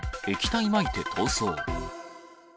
液体まいて逃走。